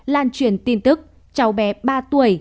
lan truyền tin tức cháu bé ba tuổi